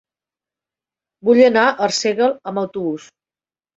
Vull anar a Arsèguel amb autobús.